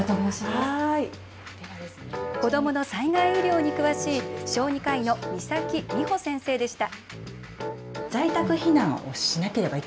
子どもの災害医療に詳しい小児科医の岬美穂先生でした。